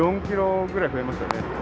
４キロぐらい増えましたね。